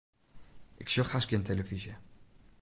Ik sjoch hast gjin telefyzje.